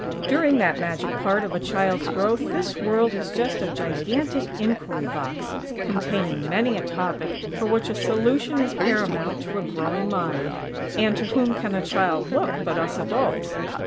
During that magic part of a child's growth this world is just a gigantic inquiry box, containing many a topic for which a solution is paramount to a growing mind. And to whom can a child look, but us adults?